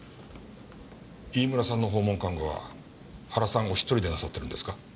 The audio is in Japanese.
飯村さんの訪問看護は原さんお一人でなさってるんですか？